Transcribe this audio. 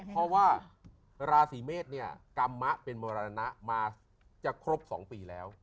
เพราะว่าราศีเมษเนี่ยกรรมะเป็นมรณะมาจะครบ๒ปีแล้ว